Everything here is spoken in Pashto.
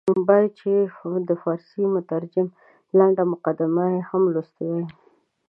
باید چې د فارسي مترجم لنډه مقدمه یې هم لوستې وای.